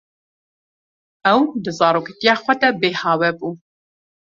Ew di zaroktiya xwe de bêhawe bû.